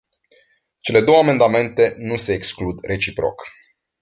Cele două amendamente nu se exclud reciproc.